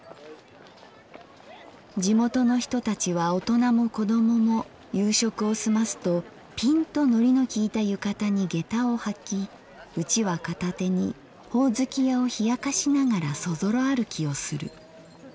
地元の人たちは大人も子供も夕食をすますとピンと糊のきいた浴衣に下駄をはきうちわ片手にほおずき屋をひやかしながらそぞろ歩きをする。